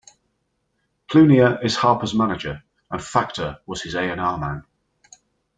Plunier is Harper's manager and Factor was his A and R man.